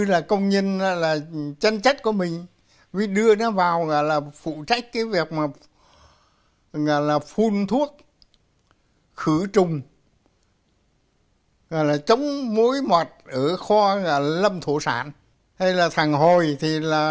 lo công an việc làm cho sáu tên gián điệp dưới hình thức là những tên trốn lính